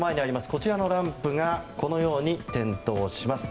こちらのランプがこのように点灯します。